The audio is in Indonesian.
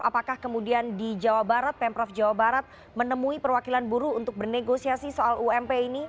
apakah kemudian di jawa barat pemprov jawa barat menemui perwakilan buruh untuk bernegosiasi soal ump ini